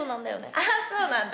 あっそうなんだ。